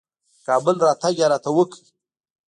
د کابل راتګ یې راته وکړ.